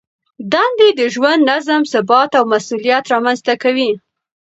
دندې د ژوند نظم، ثبات او مسؤلیت رامنځته کوي.